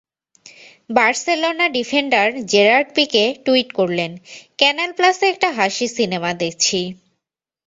Barcelona defender Gerard Pique tweet করলেন—ক্যানাল প্লাসে একটা হাসির সিনেমা দেখছি।